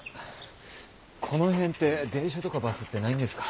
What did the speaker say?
この辺って電車とかバスってないんですか？